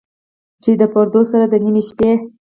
چې د پردو سره، د نیمې شپې،